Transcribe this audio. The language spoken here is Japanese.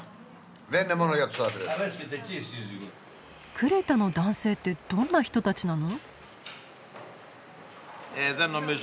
クレタの男性ってどんな人たちなの？